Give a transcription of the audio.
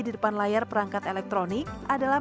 di depan layar perangkat elektronik adalah